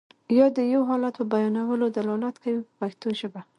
یا د یو حالت په بیانولو دلالت کوي په پښتو ژبه.